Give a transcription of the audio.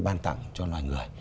ban tặng cho loài người